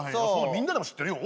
みんなでも知ってるよ？